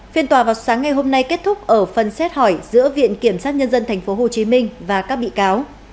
phiên tòa vào sáng ngày hôm nay kết thúc ở phần xét hỏi giữa viện kiểm sát nhân dân tp hcm và các bị cáo